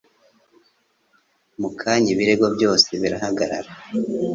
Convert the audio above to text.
Mu kanya, ibirego byose birahagarara.